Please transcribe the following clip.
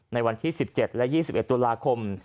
ในวันที่๑๗และ๒๑ตุลาคม